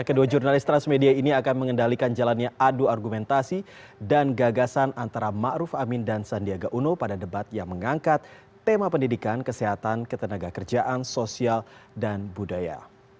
kedua jurnalis transmedia ini akan mengendalikan jalannya adu argumentasi dan gagasan antara ⁇ maruf ⁇ amin dan sandiaga uno pada debat yang mengangkat tema pendidikan kesehatan ketenaga kerjaan sosial dan budaya